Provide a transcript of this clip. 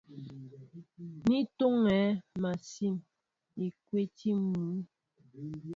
Ní tuuŋɛ̄ másîn îkwotí mʉ́ʉ́.